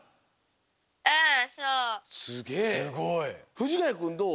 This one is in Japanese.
藤ヶ谷くんどう？